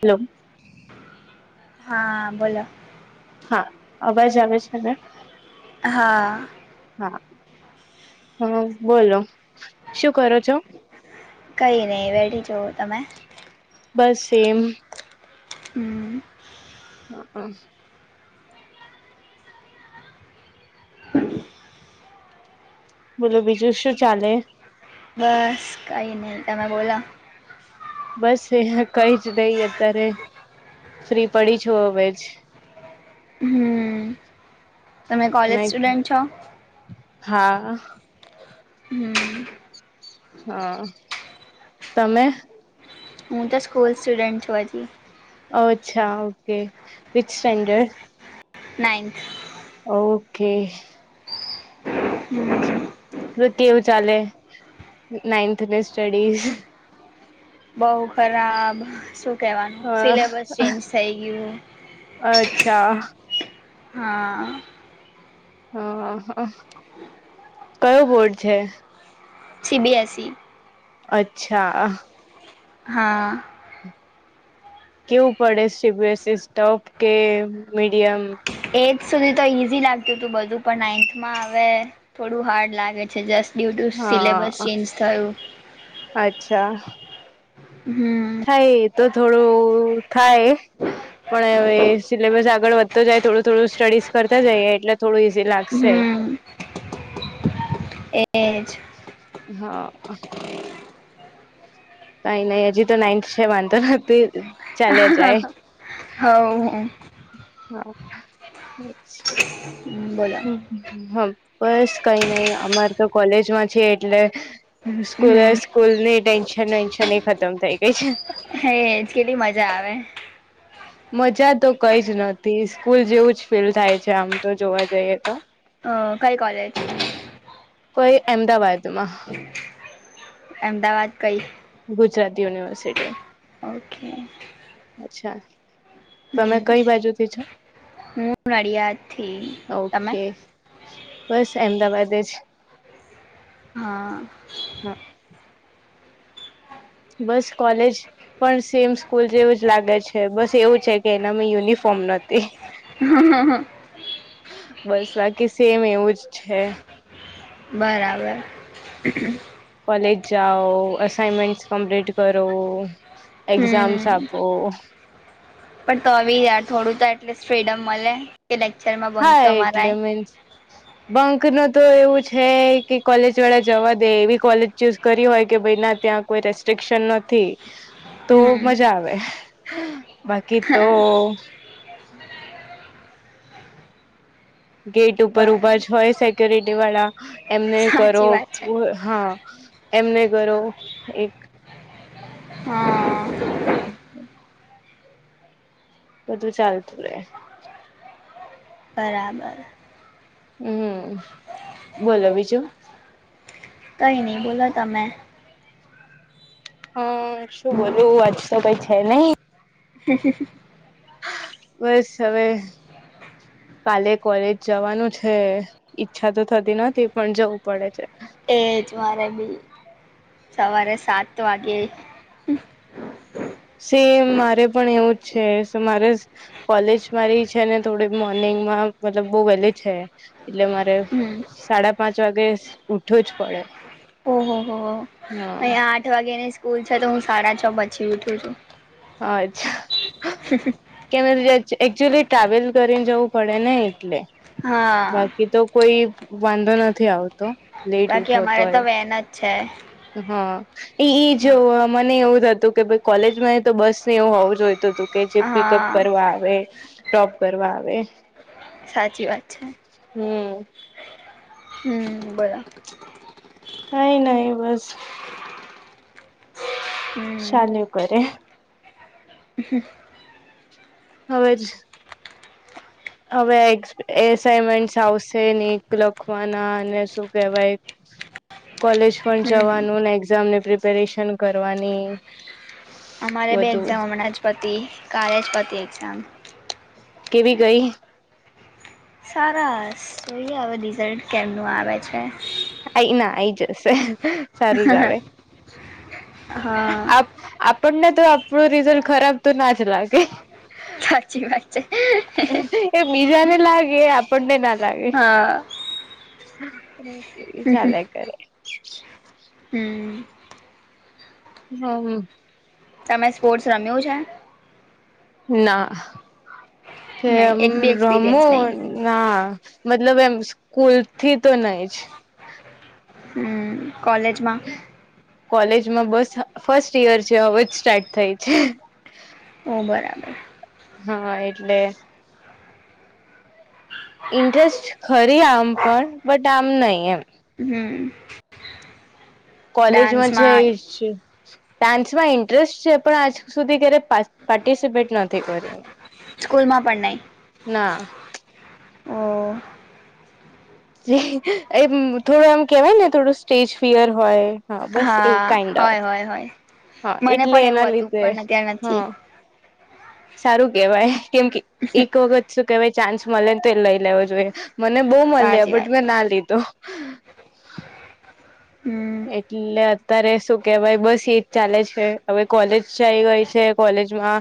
Hello! હા.. બોલો. હા. અવાજ આવે છે ને? હા.. હા. હા બોલો, શું કરો છો? કઈ નહી, વેઢી જવુ તમે? બસ એમ. હમ... હ હ. બોલો બીજું શું ચાલે? બસ કઈ નહી ત મે બોલા? બસ એયા કઈ જ નઈ અત્યારે ફ્રી પડી છુ હમે જ- હમ તમે કોલેજ સ્ટુડન્ટ છો- હા હમ- હા તમે- હું તો સ્કૂલ સ્ટુડેન્ટ છું હતી? ઓ અચ્છા okay which standard- ninth okay હમ તો કેવું ચાલે નાઈન્થની સ્ટડીઝ- બઉ ખરાબ શું - કવાનું અ સિલેબસ ચેન્જ થઈ ગયું. અચ્છા હા હા કયો બોટ છે. C B. S. E. C - અચ્છા- હા- કેવું પડે છેીસ સોપ કે મીડિયમ- એથ સુધી તો ઇઝી લાગતું હતું બધું પણ નાઇન્થમાં હવે થોડું હાર્ડ લાગે છે જસ્ટ- ડ્યૂ ટુ સિલેબસ હા ચેન્જ થયું. અચ્છા હમ થાય તો થોડું થાય- પણ હવે સિલેબસ આગળ વધતો જાય થોડું થોડું સ્ટડીઝ કરતા જઈએ એટલે થોડું ઈઝી લાગશે. હમ એજ- હા- કઈ નહી હજી તો નાઇન્થ છે વાંધો નથીહોતી ચલેયા હવ જાય. હા [unintelligible] બોલો. હમ બસ કઈ નહ અમારે તો કોલેજમાં છે એટલે સ્કૂલ હમ સ્કૂલ ની ટેન્શન વેન્શન એ ખતમ થઇ ગઈ છે. હેજ કેટલી મજા આવે. મજા તો કઈ જ નતી સ્કૂલ જેવું જ ફીલ થાય છે આમ તો જોવા જઈએ તો અ કઈ કોલેજ? કોઈ અમદાવાદ માં. અમદાવાદ કઈ? ગુજરાત યુનિવર્સિટી. ઓકે. અચ્છા તમે હમ કઈ બાજુથી છો? હું નડિયાદથી [unintelligible] તમે ઓકે બસ અમદાવાદ જ હા. હા બસ કોલેજ, પણ સેમ સ્કૂલ જેવું જ લાગે છે બસ એવું છે કે એનામાં યુનિફોર્મ નહોતી. હા હા હા. બસ બાકી સેમ એવું જ છે. બરાબર. [unintelligible] કોલેજ જાઓ અઇનમેન્ટ કમ્પ્લીટ કરો એક્ઝામ હમ તો [unintelligible] પણ તો યાર થોડું તો એટલીસ ફ્રીડમ મલે કે લેક્ચરમાં બઁક હા તો એટલે મરાય. મીન્સ [inaudible] બંક ન તો એવું છે કે કોલેજ વાળા જવા દે એવી કોલેજ ચૂઝ કરી હોય કે ભઈ ના ત્યાં કોઈ રેસ્ટ્રિકશન નથી. એવું છે [unintelligible] તો મજા આવે બાકી તો ગેટ ઉપર ઊભા બરાબર હોય સેક્યોરિટી વાળા એમને કરો સાચી વાત છે બૂ હા એમને કરો એક હા [unintelligible] [inaudible] બધું ચાલતું રે. બરાબર. હમ બોલો બીજું કઈ ની બોલો તમે? અ સુ બોલું આજ તો કઈ છે નઈ. હ [unintelligible] બસ હવે કાલે કોલેજ જવાનું છે. ઈચ્છા તો થતી નથી પણ જવું પડે છે. એજ મારે બી સવારે સાત વાગે. સેમ મારે પણ એવું જ છે મારે કોલેજ મારી છે ને થોડી મોર્નિંગ માં મતલબ બઉ વેલી છે એટલે મારે હમ સાડા પાંચ વાગે ઊઠવું જ પડે. ઓહો હો અહીંયા હા આઠ વાગ્યા ની સ્કૂલ છે તો હું સાડા છ પછી ઊઠું છું. અચ્છા હ [unintelligible] કેમ એ કદાચ એકચુલી ટ્રાવેલ કરીને જવું પડે ને એટલે હા બાકી તો કોઈ વાંધો નથી આવતો. લેટ બાકી અમારે તો વેન જ છે. હ ઈ ઈ હા જોવા મને એવું થતું કે ભઈ કોલેજમાં ન તો બસ ને એવું હોવું જોઈતુ તુ કે જે પિકઅપ હા કરવા આવે ડ્રોપ કરવા આવે સાચી વાત છે. હમ્મ હમ બરા કાઈ નહી બસ હમ સાલ્યુ કરે હ હવે છ. હવે એ એસાઈનમેન્ટ આવશે નહી લખવાના અને શું કેહવાય. કોલેજ પણ હમ જવાનું ને એક્ઝામ ની પ્રિપેરેશન કરવાની અમારે બે બધું એક્ઝામ હમણાં જ પતી કાલેજ પતી એક્ઝામ કેવી ગઈ સરસ જોઈએ હવે રિઝલ્ટ કેમનું આવે છે. કંઇ ના આઈ જશે સારું જ આવે હા આપણને તો આપણું રિઝલ્ટ ખરાબ તો ના જ લાગે સાચી વાત છે. એ બીજા ને લાગે આપણ ને ના લાગે હા એ ચાલ્યા કરે હમ્મ હમ્મ હમ્મ તમે સ્પોર્ટસ રમ્યું છે. ના નહી એમ એક બી રમો એક્સપિરિયન્સ નહી ના મતલબ એમ સ્કૂલ થી તો નહી જ હમ્મ કોૉલેજમાં કોલેજમાં બસ ફર્સ્ટ ઈયર છે હવેજ સ્ટાર્ટ થઈ છે. ઓ બરાબર હા એટલે ઇન્ટરેસ્ટ ખરી આમ પણ બટ આમ નહી એમ હમ્મ કોલેજમાં છે, એ ડાન્સમાં ઇન્ટરેસ્ટ છે પણ આજ સુધી ક્યારે પાર્ટિસિપેટ નથી કર્યુ સ્કૂલમાં પના ઓ એમ થોડું એમ કેવાય ને થોડું સ્ટેજ ફિયર હોય હા બસ એક હય હોય હોય મને એટલે પણ એના એવું હતું લીધે પણ અતાર નથી. હા સારું કેવાય કેમ કે એક વખત શું કેવાય ચાન્સ મળે ને તો એ લઈ લેવો જોઈએ. મને બહુ મળ લ સાચી બટ વાત મેં છે ના લીધુ હમ્મ એટલે અત્યારે શું કેવાય બસ એજ ચાલે છે હવે કોલેજઈ ગઈ છે, કોલેજમા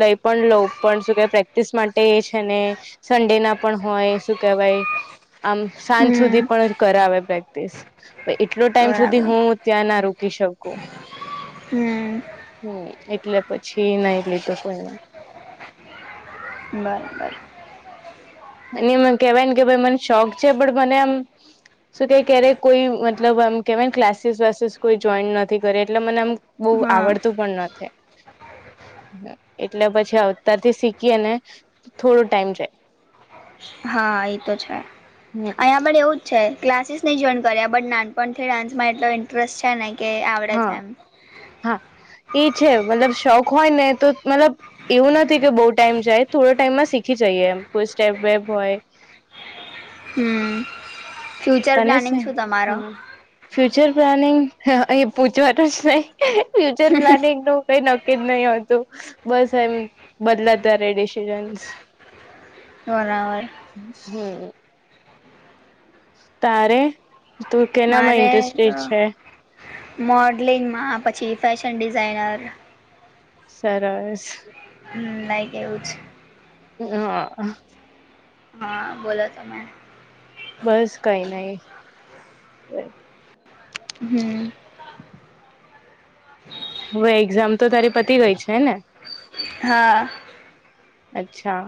લઈ પણ લઉ પણ શું કે પ્રેક્ટિસ માટે એ છેને. સન્ડે ના પણ હોય શું કેહેવાય આમ સાંજ સુધી હમ પણ કરાવે પ્રેક્ટિસ એટલો ટાઈમ સુધી બરાબર હુ ત્યાં ના રોકી શકુ હમ્મ હમ એટલે પછી ના લીધું કોઈને બરાબર એ એ કેવાય ને કે ભ મને શોખ છે, પણ મને આમ શું કે ક્યારેક કોઈ મતલબ આમ કેહેવાય ને ક્લાસીસ વસીસ કોઈ જોઈન, નથી કરે એટલે મને આમ બહુ હા આવડતું પણ નથી. એટલે પછી અવતારથી શીખીને થોડો ટાઈમ જાય હા એ તો છે, હમ અહીંયા પણ એવું છે, ક્લાસીસ નહીં જોઈન કર્યા બટ નાનપણથી ડાન્સમાં એટલો ઇન્ટરેસ્ટ છે, ને કે આવડે છે, હા એમ હા એ છે, મતલબ શોખ હોય ને તો મતલબ એવું નથી કે બો ટાઈમ જાય થોડા ટાઈમમાં શીખી જઈએ એમ કોઈ સ્ટેપ બેપ હોય હમ ફ્યુચર તને પ્લાનિંગ છે શું તમારો? હા ફ્યુચર પ્લાનિંગ અહી પૂછવાનું જ નહી ફ્યુચર પ્લાનિંગ નું કઈ ન કી જ નહી હોતું બસ એમ બદલાતા રે ડિસિઝનસ બરાબર. હમ. તારે તું કેનામાં મારે તો ઇન્ટરેસ્ટેડ છે? મોડલિંગમાં પછી ફેશન ડિઝાઇનર સરસ. લાઇક એવુ જ હ. હા બોલો તમે બસ કઈ નહી હમ. હવે એક્ઝામ તો તારી પતી ગઈ છે, ને? હા. અચ્છા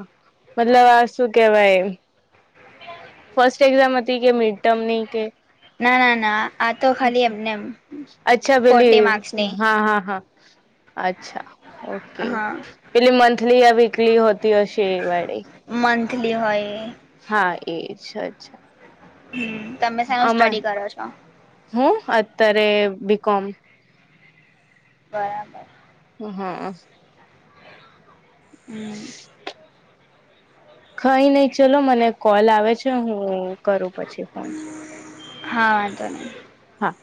મતલબ આ શું કેવાય ફર્સ્ટ એક્ઝામ હતી કે મિડ ટર્મ ની કે ના ના ના આ તો ખાલી એમને એમ અચ્છા ફોર્ટી પેલી માર્ક્સની હા હા હા અચ્છા ઓકે હા પેલી મંથલી વીકલી હોતી અશે વાળી મંથલી હોય હા એ જ અચછા હમ તમે શેનું સ્ટડી કરો છો? હુ અતરે બી કોમ બરાબર. હ. હમ [unintelligible] ખઈ નહી ચલો મને કોલ આવે છે, હું કરું પછી ફોન હા વાંધો નય હા.